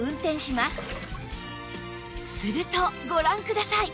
するとご覧ください